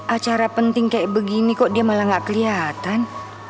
acara penting kayak begini kok dia malah gak kelihatan